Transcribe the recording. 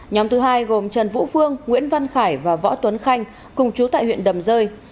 nhóm thứ hai gồm trần vũ phương nguyễn văn khải và võ tuấn khanh cùng chú tại huyện đầm rơi